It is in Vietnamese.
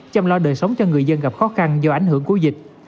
chăm lo đời sống cho người dân gặp khó khăn do ảnh hưởng của dịch